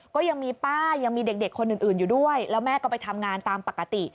ก็ยังมีป้ายังมีเด็กคนอื่นอยู่ด้วยแล้วแม่ก็ไปทำงานตามปกติ